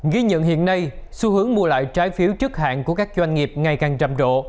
ghi nhận hiện nay xu hướng mua lại trái phiếu chức hạn của các doanh nghiệp ngày càng trầm rộ